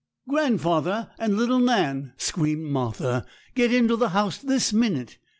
'Grandfather and little Nan!' screamed Martha; 'get into the house this minute!